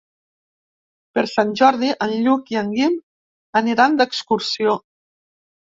Per Sant Jordi en Lluc i en Guim aniran d'excursió.